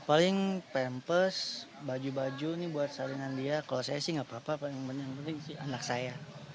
paling pempes baju baju ini buat salinan dia kalau saya sih nggak apa apa paling penting sih anak saya